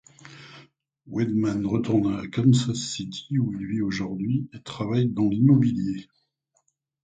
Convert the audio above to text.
Wedman retourna à Kansas City où il vit aujourd'hui et travaille dans l'immobilier.